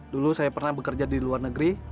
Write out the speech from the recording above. dulu saya pernah bekerja di luar negeri